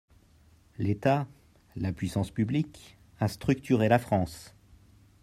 L’État – la puissance publique – a structuré la France.